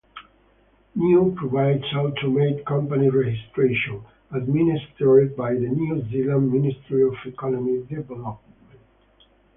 Niue provides automated Companies Registration, administered by the New Zealand Ministry of Economic Development.